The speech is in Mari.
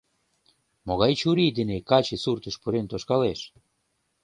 Могай чурий дене каче суртыш пурен тошкалеш?